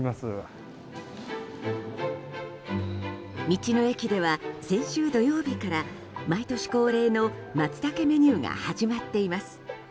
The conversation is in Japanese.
道の駅では、先週土曜日から毎年恒例のマツタケメニューが始まっています。